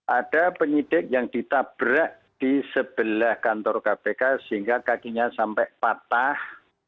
ada penyidik yang ditabrak di sebelah kantor kpk sehingga kakinya sampai patah